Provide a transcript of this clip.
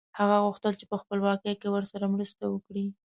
هغه غوښتل په خپلواکۍ کې ورسره مرسته وکړي.